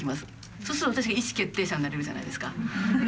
そうすると私が意思決定者になれるじゃないですか。